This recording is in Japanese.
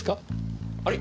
あれ？